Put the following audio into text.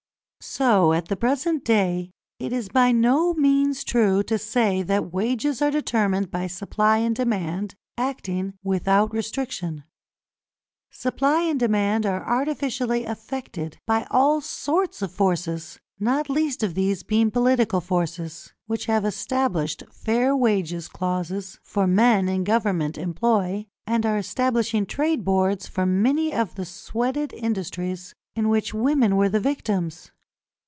So at the present day it is by no means true to say that wages are determined by Supply and Demand acting without restriction; Supply and Demand are artificially affected by all sorts of forces, not least of these being political forces, which have established fair wages clauses for men in Government employ, and are establishing trade boards for many of the sweated industries in which women were the victims.